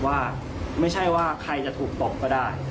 ว่าไม่ใช่ว่าใครจะถูกตบก็ได้